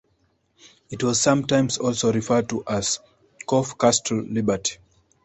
It was sometimes also referred to as Corfe Castle Liberty.